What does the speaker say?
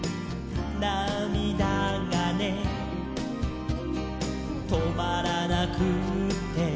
「なみだがねとまらなくって」